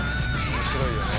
面白いよね